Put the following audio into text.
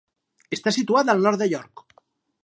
Està situat al nord de York.